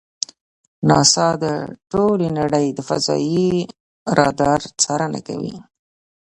ناسا د ټولې نړۍ د فضایي رادار څارنه کوي.